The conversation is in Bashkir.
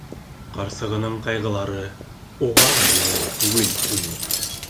Ҡарсығының ҡайғылары уға ла еңел түгел ине.